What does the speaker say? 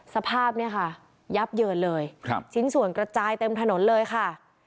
สภาพเนี่ยค่ะยับเยินเลยครับชิ้นส่วนกระจายเต็มถนนเลยค่ะ